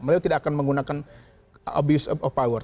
beliau tidak akan menggunakan abuse of power